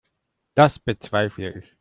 Das bezweifle ich.